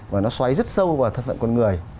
và nó xoáy rất sâu vào thân phận con người